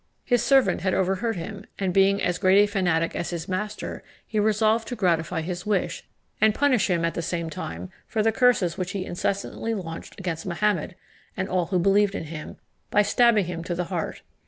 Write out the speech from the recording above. His servant had overheard him: and, being as great a fanatic as his master, he resolved to gratify his wish, and punish him, at the same time, for the curses which he incessantly launched against Mahomet and all who believed in him, by stabbing him to the heart.